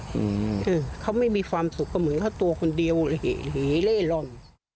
คือเขาไม่มีความสุขกับเหมือนท่วคนเดียวเหล่น